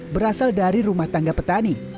berasal dari rumah tangga petani